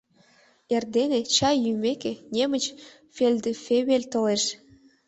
Эрдене, чай йӱмеке, немыч фельдфебель толеш.